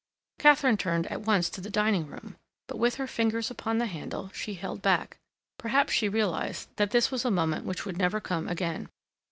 Katharine turned at once to the dining room. But with her fingers upon the handle, she held back. Perhaps she realized that this was a moment which would never come again.